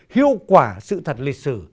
hiệu quả sự thật lịch sử